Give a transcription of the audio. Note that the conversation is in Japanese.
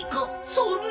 そんな！